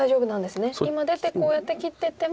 今出てこうやって切っていっても。